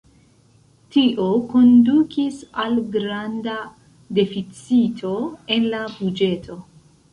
Tio kondukis al granda deficito en la buĝeto.